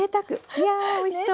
いやおいしそう。